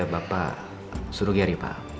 bapak suruh giri pak